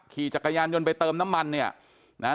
ขี่จักรยานยนต์ไปเติมน้ำมันเนี่ยนะฮะ